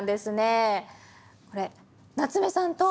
これ夏目さんと。